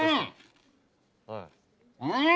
うん！